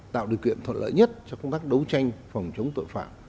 tạo điều kiện thuận lợi nhất cho công tác đấu tranh phòng chống tội phạm